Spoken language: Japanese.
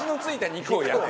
肉を焼く！